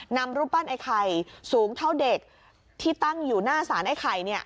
นำรูปปั้นไอ้ไข่สูงเท่าเด็กที่ตั้งอยู่หน้าสารไอ้ไข่เนี่ย